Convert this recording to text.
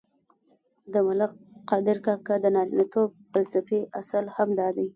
د ملک قادر کاکا د نارینتوب فلسفې اصل هم دادی.